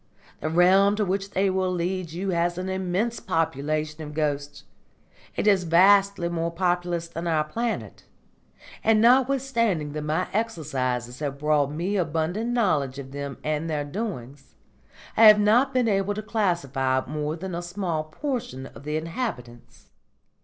The realm to which they will lead you has an immense population of ghosts; it is vastly more populous than our planet; and notwithstanding that my exercises have brought me abundant knowledge of them and their doings, I have not been able to classify more than a small portion of the inhabitants.